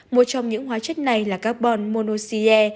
một trong những hóa chất này là carbon monoxide